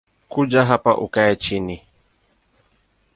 Kuja hapa na ukae chini